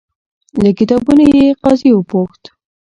له کتابونو یې. قاضي وپوښت،